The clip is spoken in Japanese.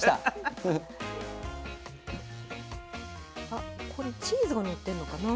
あっこれチーズがのってるのかな？